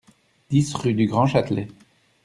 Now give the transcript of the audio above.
dix rue du Grand Châtelet